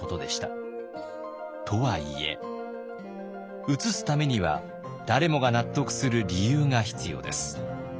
とはいえ移すためには誰もが納得する理由が必要です。